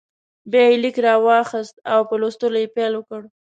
بیا یې لیک راواخیست او په لوستلو یې پیل وکړ.